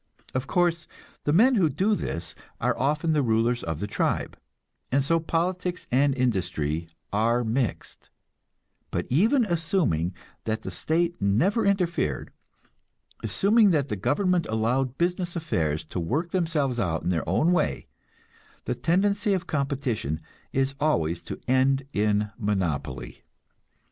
Of course, the men who do this are often the rulers of the tribe, and so politics and industry are mixed; but even assuming that the state never interfered, assuming that the government allowed business affairs to work themselves out in their own way, the tendency of competition is always to end in monopoly.